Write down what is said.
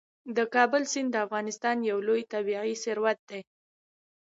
د کابل سیند د افغانستان یو لوی طبعي ثروت دی.